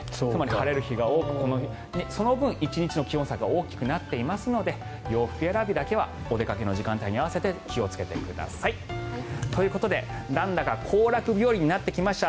晴れる日が多くその分１日の気温差が大きくなっていますので洋服選びだけはお出かけの時間帯に合わせて気をつけてください。ということで、なんだか行楽日和になってきました。